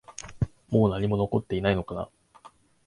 もう何も残っていないのかな？